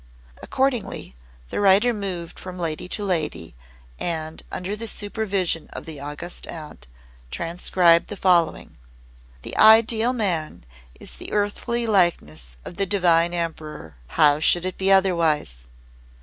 Accordingly, the writer moved from lady to lady and, under the supervision of the August Aunt, transcribed the following: "The Ideal Man is the earthly likeness of the Divine Emperor. How should it be otherwise?"